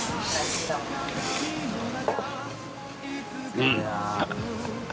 うん。